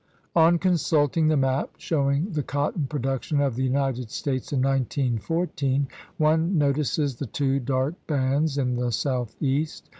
On consulting the map showing the cotton production of the United States in 1914, one notices the two dark bands in the southeast.